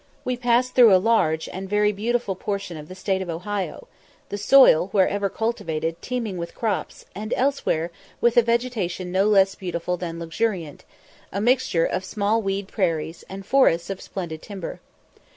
We passed through a large and very beautiful portion of the State of Ohio; the soil, wherever cultivated, teeming with crops, and elsewhere with a vegetation no less beautiful than luxuriant; a mixture of small weed prairies, and forests of splendid timber.